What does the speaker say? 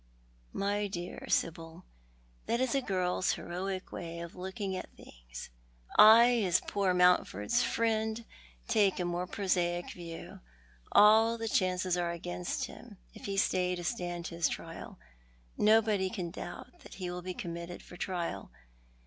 "My dear Sibyl, that is a girl's heroic way of looking at Eiico7npassed with Darkness. 135 things. I, as poor Mouutford's friend, take a more ]nosaic view. All the cbauces are against him if he stay to stand his trial. Nobody can doubt that ho will be committed for trial.